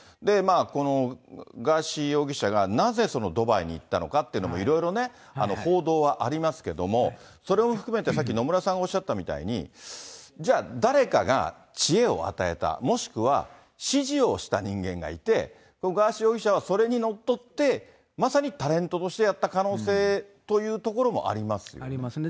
このガーシー容疑者がなぜドバイに行ったのかというのも、いろいろね、報道はありますけれども、それも含めてさっき野村さんがおっしゃったみたいに、じゃあ、誰かが知恵を与えた、もしくは指示をした人間がいて、ガーシー容疑者はそれにのっとって、まさにタレントとしてやった可能性というところもありますよね。ありますね。